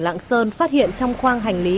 đảng sơn phát hiện trong khoang hành lý